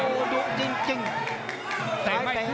โหโหโหโหโหโห